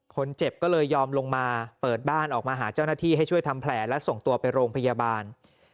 คนเจ็บก็เลยยอมลงมาเปิดบ้านออกมาหาเจ้าหน้าที่ให้ช่วยทำแผลและส่งตัวไปโรงพยาบาล